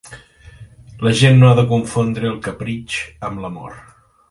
La gent no ha de confondre el capritx amb l'amor.